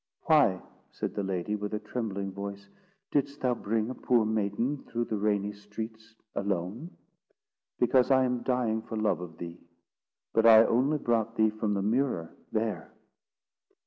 "Why," said the lady, with a trembling voice, "didst thou bring a poor maiden through the rainy streets alone?" "Because I am dying for love of thee; but I only brought thee from the mirror there."